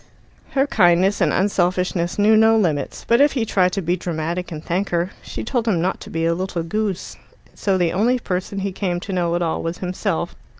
Her kindness and unselfishness knew no limits, but if he tried to be dramatic and thank her, she told him not to be a little goose. And so the only person he came to know at all was himself.